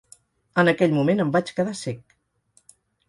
En aquell moment em vaig quedar cec.